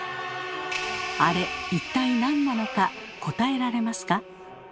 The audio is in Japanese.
あれ一体なんなのか答えられますか？